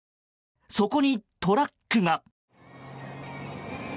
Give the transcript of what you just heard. そこにトラックが。